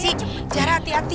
jangan kejar hati hati